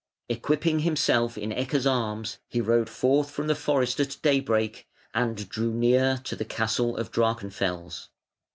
Equipping himself in Ecke's arms he rode forth from the forest at daybreak, and drew near to the castle of Drachenfels.